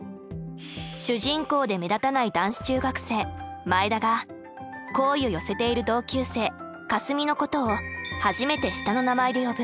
主人公で目立たない男子中学生前田が好意を寄せている同級生かすみのことを初めて下の名前で呼ぶ。